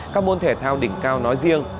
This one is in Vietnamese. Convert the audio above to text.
các môn thể thao đỉnh cao nói riêng